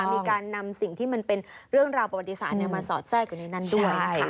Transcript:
มีการนำสิ่งที่มันเป็นเรื่องราวประวัติศาสตร์มาสอดแทรกอยู่ในนั้นด้วย